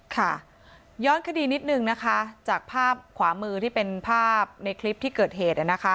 ค่ะย้อนคดีนิดนึงนะคะจากภาพขวามือที่เป็นภาพในคลิปที่เกิดเหตุ